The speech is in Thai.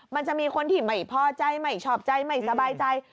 มันจะมีคนที่ไม่พอใจไม่ชอบใจไม่สบายใจ